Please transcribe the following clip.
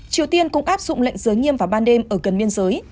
triều tiên cũng áp dụng lệnh giới nghiêm vào ban đêm ở gần biên giới